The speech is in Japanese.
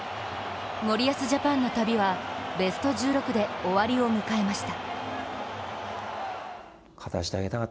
森保ジャパンの旅はベスト１６で終わりを迎えました。